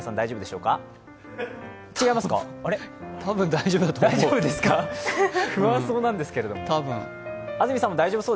大丈夫ですか不安そうなんですけど。